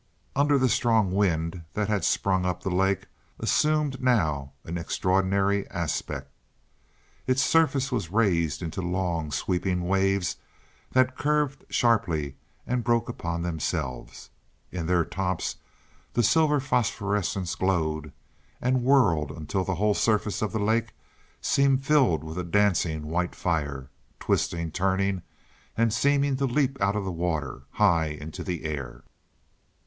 Under the strong wind that had sprung up the lake assumed now an extraordinary aspect. Its surface was raised into long, sweeping waves that curved sharply and broke upon themselves. In their tops the silver phosphorescence glowed and whirled until the whole surface of the lake seemed filled with a dancing white fire, twisting, turning and seeming to leap out of the water high into the air.